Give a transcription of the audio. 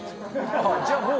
ああじゃあもう。